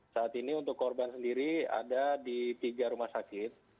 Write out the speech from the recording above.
saat ini untuk korban sendiri ada di tiga rumah sakit